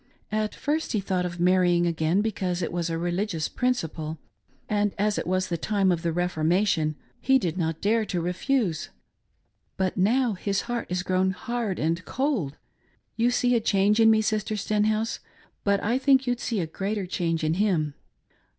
At first he thought of marrying again because it was a religious principle ; and as it was the time of the Re formation he did not dare to refuse ; but now his heart is grown hard and cold. You see a change in me. Sister Sten house, but I think you'd see a greater change in him.